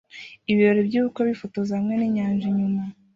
Ibirori byubukwe bifotoza hamwe ninyanja inyuma